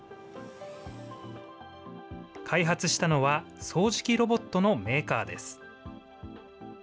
開発したのは、掃除機ロボットのメーカーです。